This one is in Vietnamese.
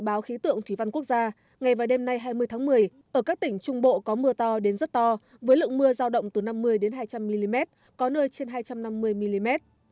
dự báo khí tượng thủy văn quốc gia ngày và đêm nay hai mươi tháng một mươi ở các tỉnh trung bộ có mưa to đến rất to với lượng mưa giao động từ năm mươi hai trăm linh mm có nơi trên hai trăm năm mươi mm